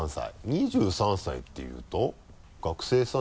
２３歳っていうと学生さん？